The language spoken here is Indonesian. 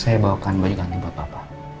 saya bawakan bayi ganti buat bapak